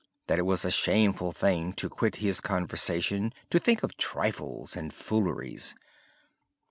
It was a shameful thing to quit His conversation to think of trifles and fooleries.